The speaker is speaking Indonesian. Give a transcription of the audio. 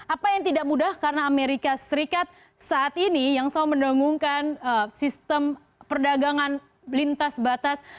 apa yang tidak mudah karena amerika serikat saat ini yang selalu mendengungkan sistem perdagangan lintas batas